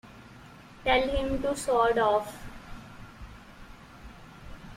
Tell him to Sod Off!